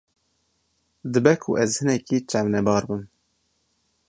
Dibe ku ez hinekî çavnebar bim.